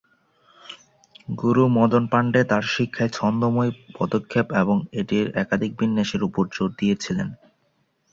গুরু মদন পান্ডে তাঁর শিক্ষায় ছন্দময় পদক্ষেপ এবং এটির একাধিক বিন্যাসের উপর জোর দিয়েছিলেন।